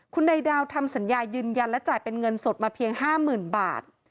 คุณนายดาวทำสัญญายืนยันและจ่ายเป็นเงินสดมาเพียง๕๐๐๐บาท